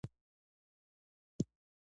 احمدشاه بابا د سپيڅلو ارزښتونو دفاع کوله.